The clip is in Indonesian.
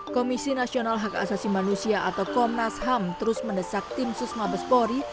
komisi nasional hak asasi manusia atau komnas ham terus mendesak tim susma bespori